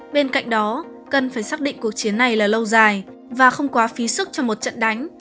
bên cạnh đó cần phải xác định cuộc chiến này là lâu dài và không quá phí sức cho một trận đánh